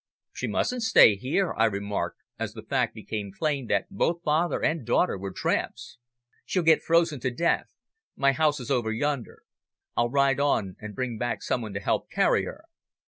"She mustn't stay here," I remarked, as the fact became plain that both father and daughter were tramps. "She'll get frozen to death. My house is over yonder. I'll ride on and bring back some one to help carry her."